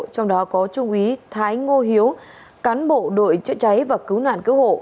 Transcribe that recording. trong đó có trung úy thái ngô hiếu cán bộ đội chữa cháy và cứu nạn cứu hộ